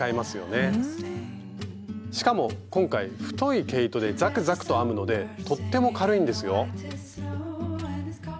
しかも今回太い毛糸でザクザクと編むのでとっても軽いんですよ。